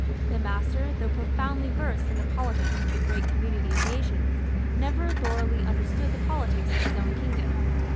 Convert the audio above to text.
The master, though profoundly versed in the politics of the great community of nations, never thoroughly understood the politics of his own kingdom.